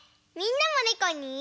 みんなもねこに。